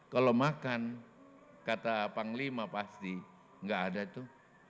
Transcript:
kalau makan kata panglima pasti nggak ada tuh